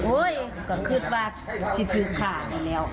โอ๊ยก็คิดว่าสิพิษขาดมาแล้ว